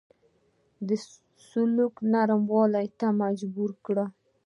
د سلوک نرمولو ته مجبور کړ.